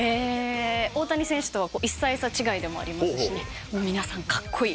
大谷選手とは１歳差違いでもありますしね皆さんカッコイイ。